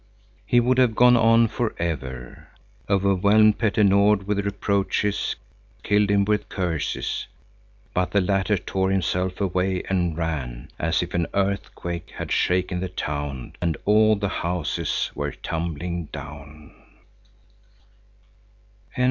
He would have gone on forever, overwhelmed Petter Nord with reproaches, killed him with curses; but the latter tore himself away and ran, as if an earthquake had shaken the town and all the houses were tumbling down.